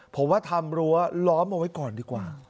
ผมว่าทำรั้วล้อมเอาไว้ก่อนดีกว่า